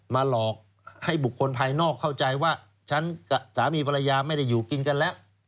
หลอกให้บุคคลภายนอกเข้าใจว่าฉันกับสามีภรรยาไม่ได้อยู่กินกันแล้ว